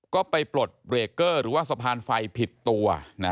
ก็ไปปลดเบรกเกอร์หรือว่าสะพานไฟผิดตัว